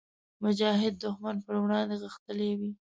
مجاهد د ښمن پر وړاندې غښتلی وي.